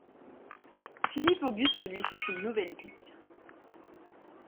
Philippe-Auguste lui fait une nouvelle digue.